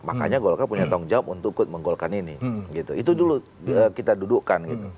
makanya golkar punya tanggung jawab untuk menggolkan ini itu dulu kita dudukkan